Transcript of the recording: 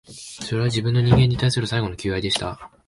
それは、自分の、人間に対する最後の求愛でした